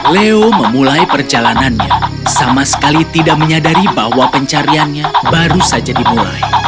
leo memulai perjalanannya sama sekali tidak menyadari bahwa pencariannya baru saja dimulai